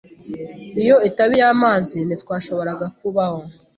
Iyo itaba iy'amazi, ntitwashoboraga kubaho.